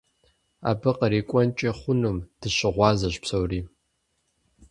Абы кърикӀуэнкӀэ хъунум дыщыгъуазэщ псори.